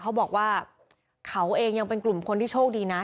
เขาบอกว่าเขาเองยังเป็นกลุ่มคนที่โชคดีนะ